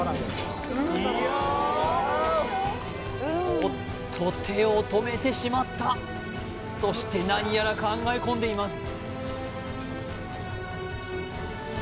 おっと手を止めてしまったそして何やら考え込んでいます